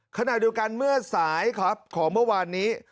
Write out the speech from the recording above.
ขณะเดียวกันเมื่อสายครับของเมื่อวานนี้